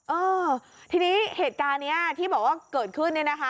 เออทีนี้เหตุการณ์นี้ที่บอกว่าเกิดขึ้น